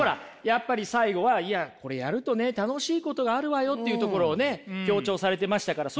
やっぱり最後はいやこれやるとね楽しいことがあるわよっていうところをね強調されてましたから。